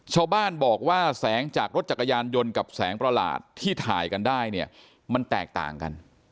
ชาวบ้านบอกว่าแสงจากรถจักรยานยนต์กับแสงประหลาดที่ถ่ายกันได้เนี่ยมันแตกต่างกัน